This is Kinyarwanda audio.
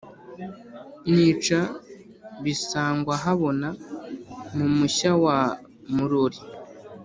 nica bisangwahabona mu mushya wa muroli,